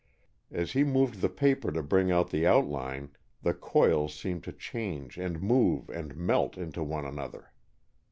As he moved the paper to bring out the outline, the coils seemed to change and move and melt into one another.